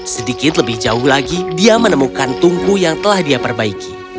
sedikit lebih jauh lagi dia menemukan tungku yang telah dia perbaiki